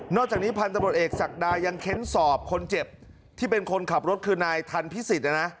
จากนี้พันธบทเอกศักดายังเค้นสอบคนเจ็บที่เป็นคนขับรถคือนายทันพิสิทธินะนะ